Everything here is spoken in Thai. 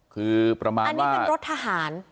คือประมาณอันนี้เป็นรถทหาร